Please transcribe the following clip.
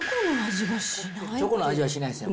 チョコの味がしないですね。